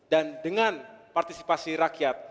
dan dengan partisipasi rakyat